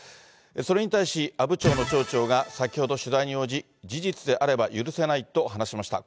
それに対し、阿武町の町長が先ほど取材に応じ、事実であれば許せないと話しました。